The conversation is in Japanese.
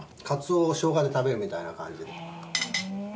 カツオをショウガで食べるみたいな感じで。